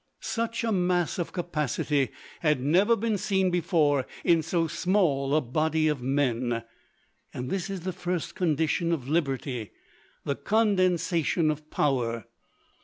Such a mass of capacity had never been seen before in so small a body of men. And this is the first condition of liberty the Condensation of Power.